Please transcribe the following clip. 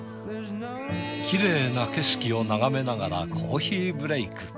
きれいな景色を眺めながらコーヒーブレイク。